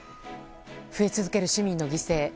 増え続ける市民の犠牲。